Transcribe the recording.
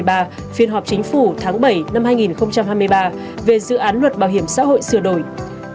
phiên họp chính phủ tháng bảy năm hai nghìn hai mươi ba về dự án luật bảo hiểm xã hội sửa đổi